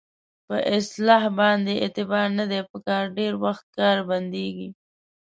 په اصلحه باندې اعتبار نه دی په کار ډېری وخت کار بندېږي.